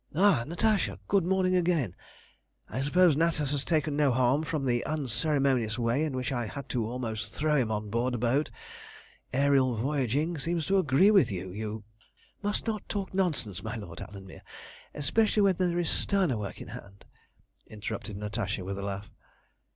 Ah, Natasha! Good morning again! I suppose Natas has taken no harm from the unceremonious way in which I had to almost throw him on board the boat. Aërial voyaging seems to agree with you, you" "Must not talk nonsense, my Lord of Alanmere, especially when there is sterner work in hand," interrupted Natasha, with a laugh.